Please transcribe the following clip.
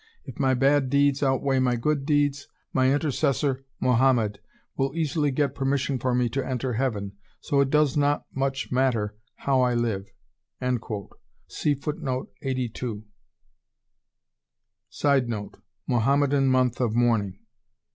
If my bad deeds outweigh my good deeds, my intercessor Mohammed will easily get permission for me to enter heaven, so it does not much matter how I live." [Sidenote: Mohammedan month of mourning.